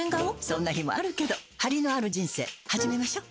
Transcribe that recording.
そんな日もあるけどハリのある人生始めましょ。